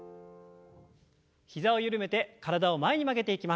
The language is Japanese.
膝をゆるめて体を前に曲げていきます。